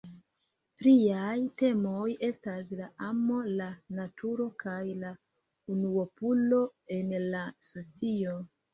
Pliaj temoj estas la amo, la naturo kaj la unuopulo en la socio.